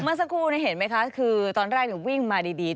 เมื่อสักครู่เห็นไหมคะคือตอนแรกวิ่งมาดี